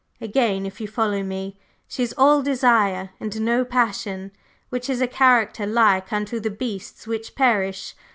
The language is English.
Again if you follow me she is all desire and no passion, which is a character 'like unto the beasts which perish.